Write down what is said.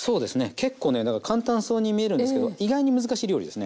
結構ねだから簡単そうに見えるんですけど意外に難しい料理ですね。